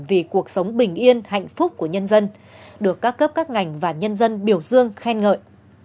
vì cuộc sống bình yên hạnh phúc của nhân dân được các cấp các ngành và nhân dân biểu dương khen ngợi